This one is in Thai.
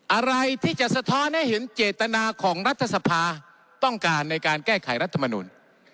อะไรที่จะสะท้อนให้เห็นเจตนาของรัฐสภาต้องการในการแก้ไขรัฐมนุน